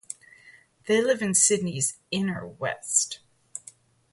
They live in Sydney's inner west.